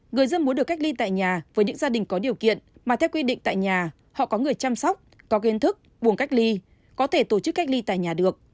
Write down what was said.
người dân muốn được cách ly tại nhà với những gia đình có điều kiện mà theo quy định tại nhà họ có người chăm sóc có kiên thức buồng cách ly có thể tổ chức cách ly tại nhà được